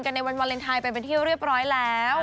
ในวันวาเลนไทยไปเป็นที่เรียบร้อยแล้ว